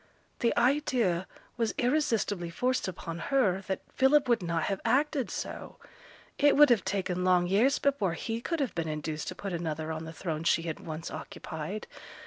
The idea was irresistibly forced upon her that Philip would not have acted so; it would have taken long years before he could have been induced to put another on the throne she had once occupied.